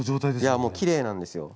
いやもうきれいなんですよ。